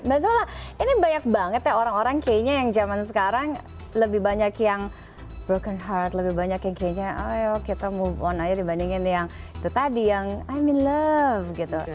mbak zola ini banyak banget ya orang orang kayaknya yang zaman sekarang lebih banyak yang broken heart lebih banyak yang kayaknya ayo kita move on aja dibandingin yang itu tadi yang i me love gitu